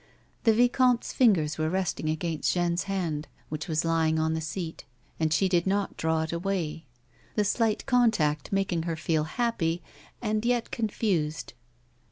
The vicomte's fingers were resting against Jeanne's hand which was lying on the seat, and she did not draw it away, the slight contact making her feel happy and yet confused.